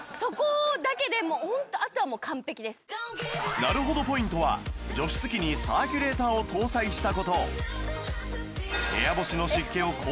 なるほどポイントは除湿機にサーキュレーターを搭載した事